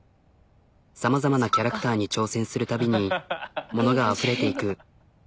さまざまなキャラクターに挑戦する度にものがあふれていく。